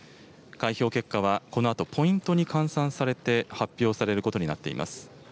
開票結果は、このあと、ポイントに換算されて発表されることになっています。